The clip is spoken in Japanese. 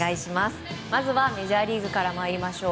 まずはメジャーリーグから参りましょう。